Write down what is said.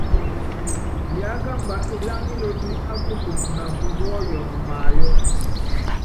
Yákamba iláŋa ílotí á kusuŋuna kunúɔ́yɔnɔ mayɔ́.